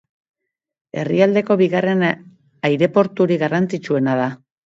Herrialdeko bigarren aireporturik garrantzitsuena da.